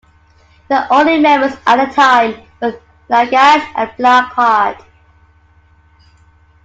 The only members at the time were Nagash and Blackheart.